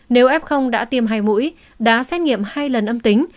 nếu ép không đã tiêm hai mũi đã xét nghiệm hai lần âm tính